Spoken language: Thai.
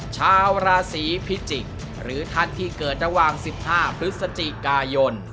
ชาวราศีพิจิกษ์หรือท่านที่เกิดระหว่าง๑๕พฤศจิกายน